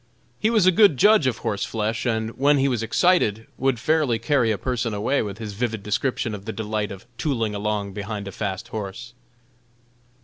He was a good judge of horseflesh, and when he was excited would fairly carry a person away with his vivid description of the delights of "tooling" along behind a fast horse.